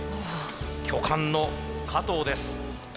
巨漢の加藤です。